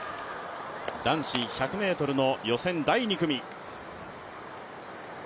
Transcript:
男子１００ｍの予選第２組。